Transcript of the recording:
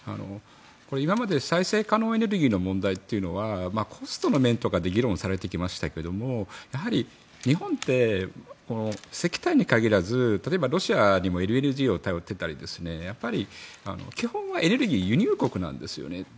今まで再生可能エネルギーの問題っていうのはコストの面とかで議論されてきましたけれどもやはり日本って石炭に限らず例えばロシアにもＬＮＧを頼っていたり基本はエネルギーの輸入国なんですよね。